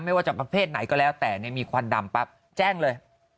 ไม่ว่าจะประเภทไหนก็แล้วแต่มีควันดำปั๊บแจ้งเลย